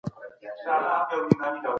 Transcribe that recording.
سوسياليستي نظام بريالی نه و.